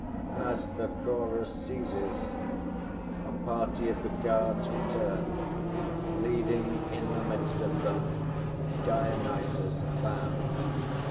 [As the Chorus ceases, a party of the guards return, leading in the midst of them DIONYSUS, bound.